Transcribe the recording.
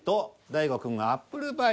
大悟くんが「アップルパイ」。